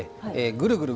ぐるぐる！